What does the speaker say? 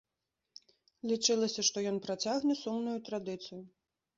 Лічылася, што ён працягне сумную традыцыю.